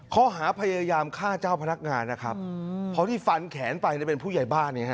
ข้อหาพยายามฆ่าเจ้าพนักงานนะครับเพราะที่ฟันแขนไปเป็นผู้ใหญ่บ้าน